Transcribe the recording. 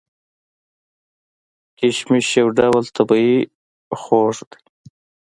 کشمش یو ډول طبیعي خوږ دی.